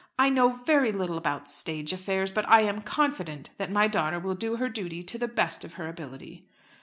"I know very little about stage affairs, but I am confident that my daughter will do her duty to the best of her ability."